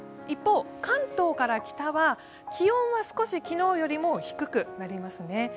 一方、関東から北は気温は少し昨日よりも低くなりますね。